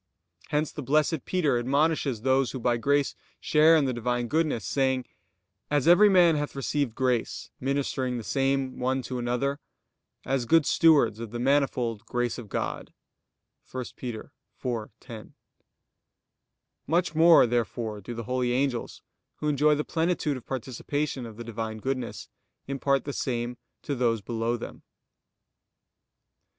Hence the Blessed Peter admonishes those who by grace share in the Divine goodness; saying: "As every man hath received grace, ministering the same one to another; as good stewards of the manifold grace of God" (1 Pet. 4:10). Much more therefore do the holy angels, who enjoy the plenitude of participation of the Divine goodness, impart the same to those below them.